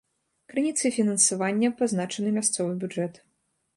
Крыніцай фінансавання пазначаны мясцовы бюджэт.